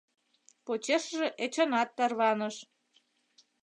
Почешыже Эчанат тарваныш.